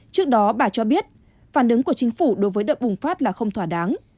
trước đó bà cho biết phản ứng của chính phủ đối với đợt bùng phát là không thỏa đáng